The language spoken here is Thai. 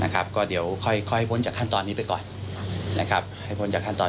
ก็เดี๋ยวค่อยให้พ้นจากขั้นตอนนี้ไปก่อน